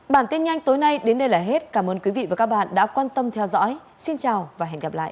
bản tin nhanh tối nay đến đây là hết cảm ơn quý vị và các bạn đã quan tâm theo dõi xin chào và hẹn gặp lại